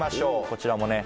こちらもね